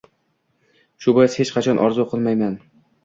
Shu bois hech qachon orzu qilmaysan…